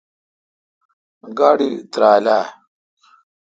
گاڑی ترال اؘ۔